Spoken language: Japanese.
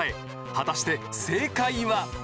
果たして正解は？